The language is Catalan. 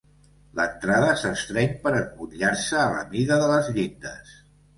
L'entrada s'estreny per emmotllar-se a la mida de les llindes.